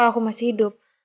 kalo aku masih hidup